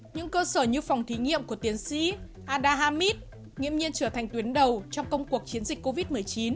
những cơ sở như phòng thí nghiệm của tiến sĩ adahamid nghiêm nhiên trở thành tuyến đầu trong công cuộc chiến dịch covid một mươi chín